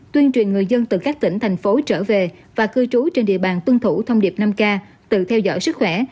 tuyên truyền người dân từ các tỉnh thành phố trở về và cư trú trên địa bàn tuân thủ thông điệp năm k tự theo dõi sức khỏe